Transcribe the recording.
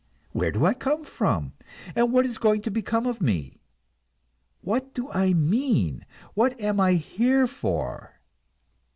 Where do I come from, and what is going to become of me? What do I mean, what am I here for?"